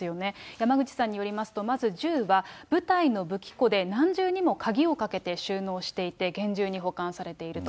山口さんによりますと、まず銃は、部隊の武器庫で何重にも鍵をかけて収納していて厳重に保管されていると。